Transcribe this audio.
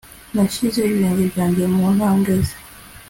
nashinze ibirenge byanjye mu ntambwe ze